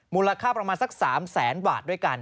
มูลค่าประมาณสัก๓แสนบาทด้วยกัน